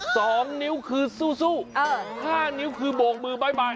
สองนิ้วคือสู้สู้อ่าห้านิ้วคือโบกมือบ๊ายบาย